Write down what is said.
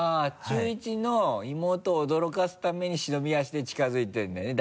中１の妹を驚かすために忍び足で近づいてるんだよね？